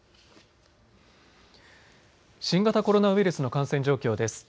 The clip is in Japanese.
新型ウイルスの感染状況です。